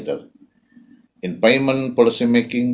dalam pembuatan kebijakan uang